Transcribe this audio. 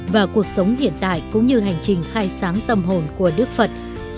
và cuộc sống hiện tại cũng như hành trình khai sáng tâm hồn của đức phật